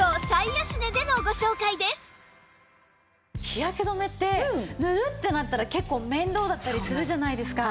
日焼け止めって塗るってなったら結構面倒だったりするじゃないですか。